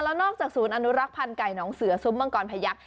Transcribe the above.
แล้วนอกจากศูนย์อนุรักษ์พันธ์ไก่น้องเสือซุ้มมังกรพยักษ